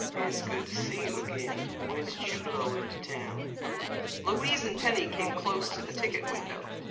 "It's good to see you again. When did you blow into town?" Louise and Penny came close to the ticket window.